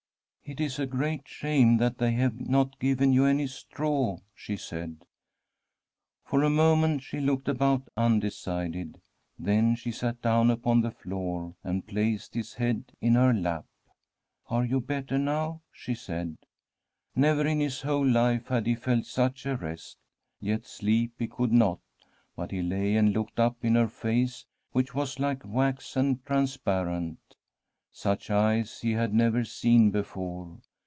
' It is a great shame that they have not given you any straw,' she said. For a moment she looked about undecided. Then she sat down upon the floor, and placed his head in her lap. * Are you better now ?' she said. Never in his whole life had he felt such a rest. Yet sleep he could not, but he lay and looked up in her face, which was like wax, and transparent. Such eyes he had never seen before.